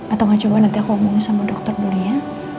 atau coba nanti aku omongin sama dokter dulu ya